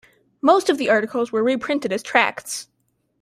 Most of the articles were reprinted as tracts.